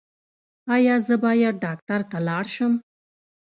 ایا زه باید ډاکټر ته لاړ شم؟